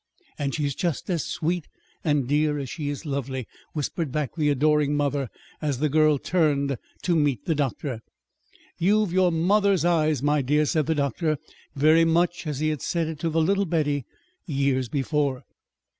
"And she's just as sweet and dear as she is lovely," whispered back the adoring mother, as the girl turned to meet the doctor. "You've your mother's eyes, my dear," said the doctor, very much as he had said it to the little Betty years before.